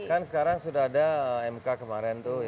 kan sekarang sudah ada mk kemarin tuh